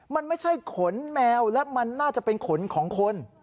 มันไม่ใช่ขนแมวและมันน่าจะเป็นขนของคน